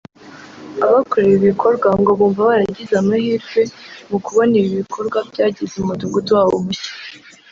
Abakorewe ibi bikorwa ngo bumva baragize amahirwe mu kubona ibi bikorwa byagize umudugudu wabo mushya